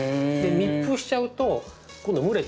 密封しちゃうと今度蒸れてしまう。